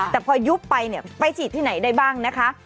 แต่พอยุบไปเนี่ยไปฉีดที่ไหนได้บ้างนะคะ